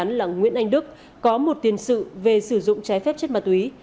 đối tượng gây án là nguyễn anh đức có một tiền sự về sử dụng trái phép chất ma túy